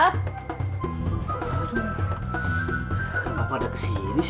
aduh kenapa dia kesini sih